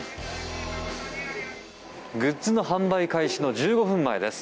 グッズの販売開始の１５分前です。